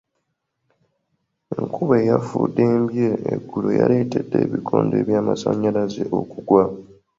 Enkuba eyafuddembye eggulo yaleetedde ebikondo by'amasannyalaze okugwa.